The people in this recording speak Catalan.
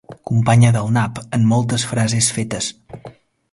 Companya del nap en moltes frases fetes.